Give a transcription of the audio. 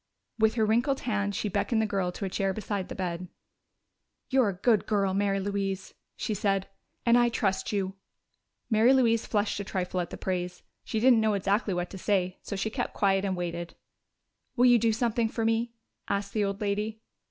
With her wrinkled hand she beckoned the girl to a chair beside the bed. "You're a good girl, Mary Louise," she said, "and I trust you." Mary Louise flushed a trifle at the praise; she didn't know exactly what to say, so she kept quiet and waited. "Will you do something for me?" asked the old lady.